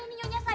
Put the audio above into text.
iu ajak adik